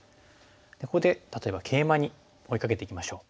ここで例えばケイマに追いかけていきましょう。